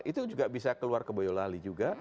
itu juga bisa keluar ke boyolali juga